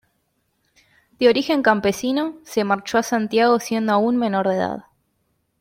De origen campesino, se marchó a Santiago siendo aún menor de edad.